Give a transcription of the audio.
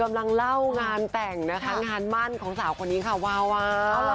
กำลังเล่างานแต่งนะคะงานมั่นของสาวคนนี้ค่ะวาวาว